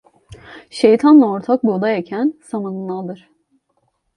Şeytanla ortak buğday eken samanını alır.